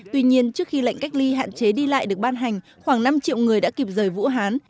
tuy nhiên trước khi lệnh cách ly hạn chế đi lại được ban hành khoảng năm triệu người đã kịp rời vũ hán